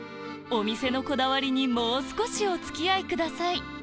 お店のこだわりにもう少しお付き合いください